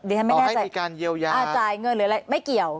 เดี๋ยวถ้าไม่แน่ใจอ่าจ่ายเงินหรืออะไรไม่เกี่ยว